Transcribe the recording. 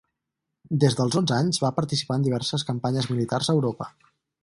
Des dels onze anys va participar en diverses campanyes militars a Europa.